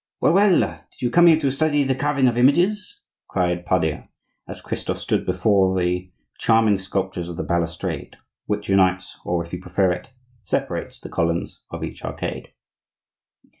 "Well, well! did you come here to study the carving of images?" cried Pardaillan, as Christophe stopped before the charming sculptures of the balustrade which unites, or, if you prefer it, separates the columns of each arcade.